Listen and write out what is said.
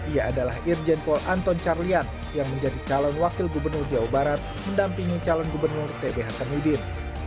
ia adalah irjen pol anton carliat yang menjadi calon wakil gubernur jawa barat mendampingi calon gubernur t b hasanudin